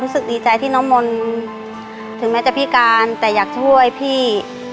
รู้สึกดีใจที่น้องมนต์ถึงแม้จะพิการแต่อยากช่วยพี่